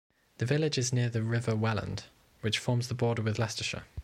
The village is near the River Welland, which forms the border with Leicestershire.